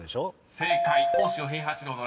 ［正解。